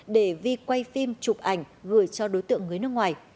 để vi quay phim chụp ảnh gửi cho đối tượng người nước ngoài